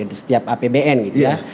jadi setiap apbn gitu ya